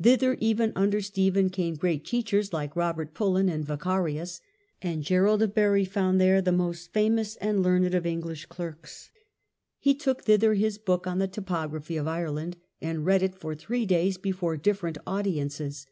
Thither even under Stephen came great teachers like Robert Pullan and Vacarius, and Gerald of Barri found there "the most famous and learned of English clerks". He took thither his book on the topography of Ireland, and read it for three days before different audiences.